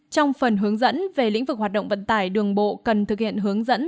trong phần hướng dẫn về lĩnh vực hoạt động vận tải đường bộ cần thực hiện hướng dẫn